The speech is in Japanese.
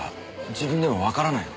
自分でもわからないの？